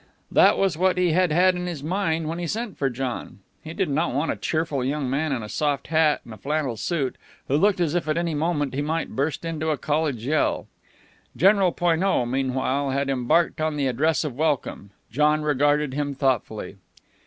That was what he had had in his mind when he sent for John. He did not want a cheerful young man in a soft hat and a flannel suit who looked as if at any moment he might burst into a college yell. General Poineau, meanwhile, had embarked on the address of welcome. John regarded him thoughtfully.